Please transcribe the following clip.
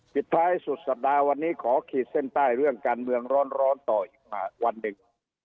ปิดท้ายสุดสัปดาห์วันนี้ขอขีดเส้นใต้เรื่องการเมืองร้อนต่ออีกวันหนึ่ง